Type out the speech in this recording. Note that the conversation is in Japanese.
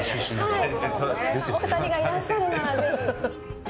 お二人がいらっしゃるなら、ぜひ。